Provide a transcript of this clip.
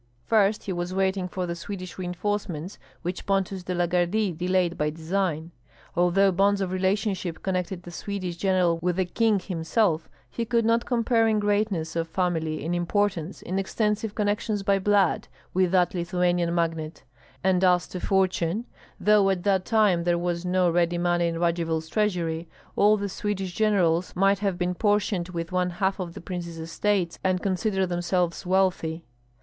First, he was waiting for the Swedish reinforcements, which Pontus de la Gardie delayed by design. Although bonds of relationship connected the Swedish general with the king himself, he could not compare in greatness of family, in importance, in extensive connections by blood, with that Lithuanian magnate; and as to fortune, though at that time there was no ready money in Radzivill's treasury, all the Swedish generals might have been portioned with one half of the prince's estates and consider themselves wealthy.